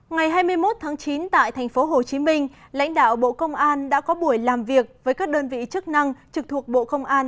ngày hai mươi một tháng chín tại tp hcm lãnh đạo bộ công an đã có buổi làm việc với các đơn vị chức năng trực thuộc bộ công an